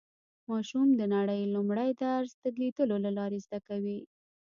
ماشوم د نړۍ لومړی درس د لیدلو له لارې زده کوي